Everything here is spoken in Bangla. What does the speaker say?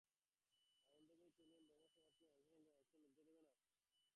আনন্দময়ী কহিলেন, তোমাদের ব্রাহ্মসমাজও কি মানুষের সঙ্গে মানুষকে মিলতে দেবে না?